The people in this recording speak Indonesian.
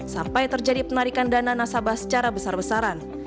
sampai terjadi penarikan dana nasabah secara besar besaran